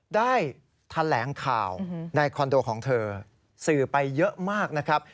ได้แถลงข่าวในคอนโดของเธอสื่อไปเยอะมากนะครับ